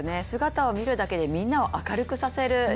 姿を見るだけでみんなを明るくさせる